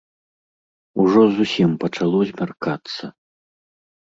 Ужо зусім пачало змяркацца.